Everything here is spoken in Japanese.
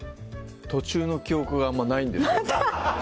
途中の記憶があんまないんですよ